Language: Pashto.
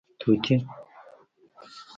🦜 طوطي